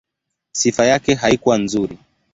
Sifa yake haikuwa nzuri.